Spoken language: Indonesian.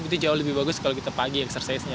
itu jauh lebih bagus kalau kita pagi exercise nya